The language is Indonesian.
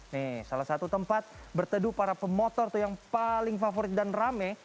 nih salah satu tempat berteduh para pemotor tuh yang paling favorit dan rame